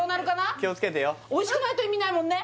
気をつけてよおいしくないと意味ないもんね